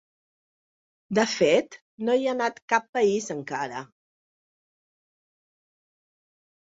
De fet, no hi ha anat cap país encara.